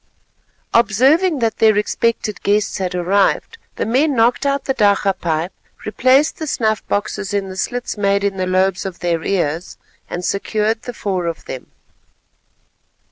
Observing that their expected guests had arrived, the men knocked out the dakka pipe, replaced the snuff boxes in the slits made in the lobes of their ears, and secured the four of them.